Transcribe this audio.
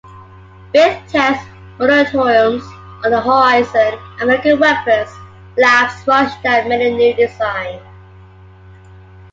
With test moratoriums on the horizon, American weapons labs rushed out many new designs.